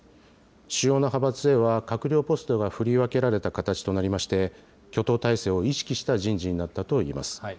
主要な派閥へは閣僚ポストが振り分けられた形となりまして、挙党態勢を意識した人事になったといえます。